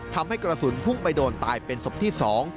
ทำให้กระสุนพุ่งไปโดนตายเป็นศพที่สอง